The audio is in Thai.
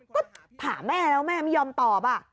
ก็ถามแม่แล้วแม่ไม่ยอมตอบ